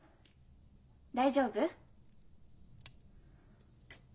大丈夫？